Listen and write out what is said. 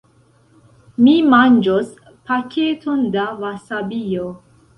Mi manĝos paketon da vasabio.